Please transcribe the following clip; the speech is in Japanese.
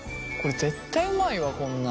絶対うまいわこんなん。